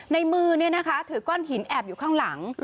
ในมือเนี่ยนะคะถือก้อนหินแอบอยู่ข้างหลัง